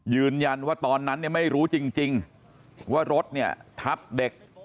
ยืนยันว่าตอนนั้นไม่รู้จริงว่ารถทับเด็ก